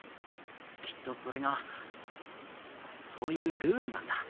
きっとそれがそういうルールなんだ。